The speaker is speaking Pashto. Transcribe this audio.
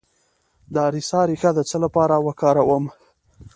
د اریسا ریښه د څه لپاره وکاروم؟